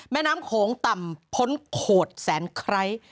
แม่น้ำโขงต่ำพ้นโขดแสนไคร้